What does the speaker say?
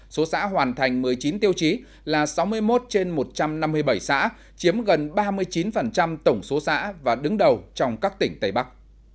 số xã hoàn thành một mươi chín tiêu chí là sáu mươi một trên một trăm năm mươi bảy xã chiếm gần ba mươi chín tổng số xã và đứng đầu trong các tỉnh tây bắc